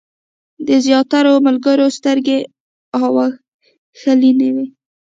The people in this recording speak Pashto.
د زیاترو ملګرو سترګې اوښلنې وې.